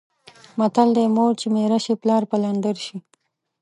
متل دی: مور چې میره شي پلار پلندر شي.